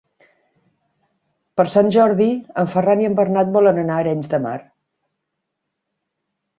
Per Sant Jordi en Ferran i en Bernat volen anar a Arenys de Mar.